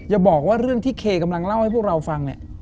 อย่าบอกว่าเรื่องที่เคกำลังเล่าให้พวกเราฟังเนี่ย